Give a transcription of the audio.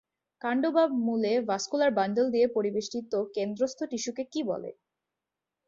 কাণ্ড বা মূলে ভাস্কুলার বান্ডল দিয়ে পরিবেষ্টিত কেন্দ্রস্থ টিস্যুকে কী বলে?